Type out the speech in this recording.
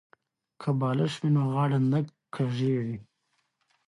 که بالښت وي نو غاړه نه کږیږي.